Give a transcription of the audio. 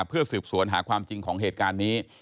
เพื่อสืบสวนหาความจริงของเหตุการณ์นี้